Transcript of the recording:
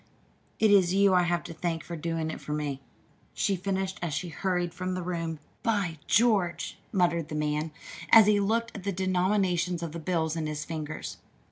"It is you I have to thank for doing it for me," she finished as she hurried from the room. "By George!" muttered the man, as he looked at the denominations of the bills in his fingers.